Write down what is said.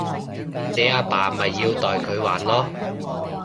你阿爸咪要代佢還囉